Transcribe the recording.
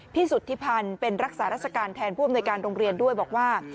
สุธิพันธ์เป็นรักษาราชการแทนผู้อำนวยการโรงเรียนด้วยบอกว่า